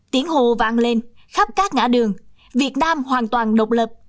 tiến hồ vàng lên khắp các ngã đường việt nam hoàn toàn độc lập